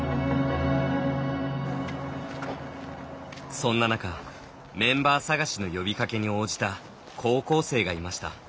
そんな中メンバー探しの呼びかけに応じた高校生がいました。